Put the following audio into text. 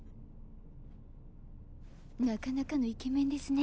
なかなかのイケメンですね。